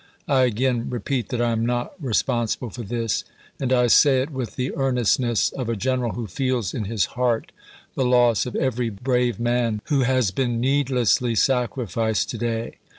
I again repeat that I am not responsible for this, and I say it with the earnestness of a general who feels in his heart the loss of every brave man who has been needlessly sac rificed to day.